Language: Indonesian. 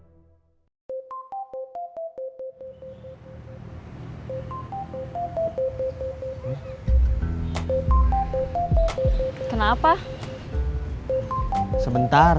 hai hai kenapa sebentar